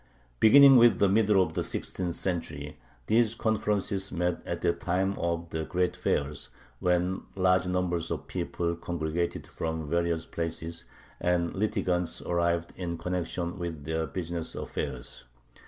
Beginning with the middle of the sixteenth century these conferences met at the time of the great fairs, when large numbers of people congregated from various places, and litigants arrived in connection with their business affairs.